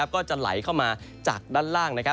ก็จะไหลเข้ามาจากด้านล่าง